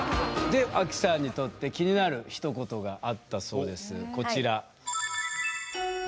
でアキさんにとって気になるひと言があったそうですこちら。